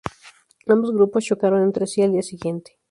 Ambos grupos chocaron entre sí al día siguiente.